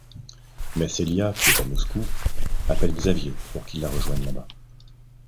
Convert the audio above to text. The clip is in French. Mais Celia, qui est à Moscou, appelle Xavier pour qu'il la rejoigne là-bas.